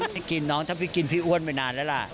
ให้กินน้องถ้าพี่กินพี่อ้วนไปนานแล้วล่ะ